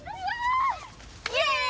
イエーイ！